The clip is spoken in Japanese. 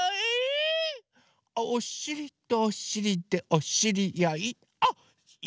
「おしりとおしりでおしりあい」